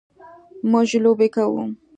مونږ لوبې کوو